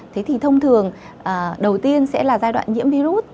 thế thì thông thường đầu tiên sẽ là giai đoạn nhiễm virus